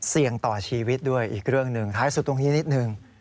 เสี่ยงต่อชีวิตด้วยอีกเรื่องหนึ่งท้ายสุดตรงนี้นิดนึง